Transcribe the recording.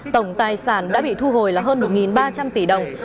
tổng tài sản đã bị thu hồi là hơn một ba trăm linh tỷ đồng